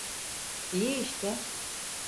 İyi işte.